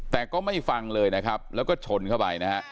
แต่ก็ไม่ฟังเลยนะครับแล้วก็ชนเข้าไปนะฮะ